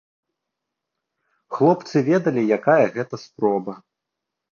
Хлопцы ведалі, якая гэта спроба.